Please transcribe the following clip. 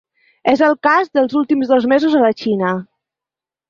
És el cas dels últims dos mesos a la Xina.